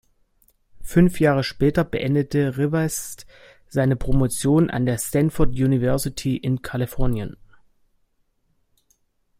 Fünf Jahre später beendete Rivest seine Promotion an der Stanford University in Kalifornien.